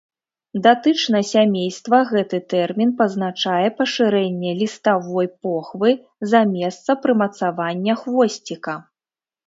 Датычна сямейства гэты тэрмін пазначае пашырэнне ліставой похвы за месца прымацавання хвосціка.